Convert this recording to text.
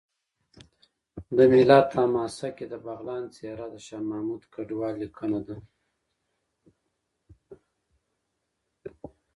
د ملت حماسه کې د بغلان څېره د شاه محمود کډوال لیکنه ده